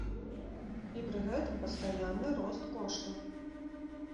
І пры гэтым пастаянны рост коштаў!